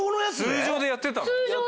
通常でやってたの？